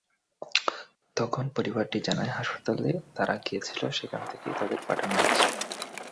তখন পরিবারটি জানায় হাসপাতালে তারা গিয়েছিল, সেখান থেকেই তাদের পাঠানো হয়েছে।